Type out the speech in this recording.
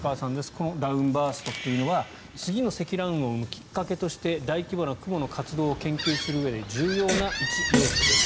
このダウンバーストというのは次の積乱雲を生むきっかけとして大規模な雲の活動を研究するうえで重要ないち要素です。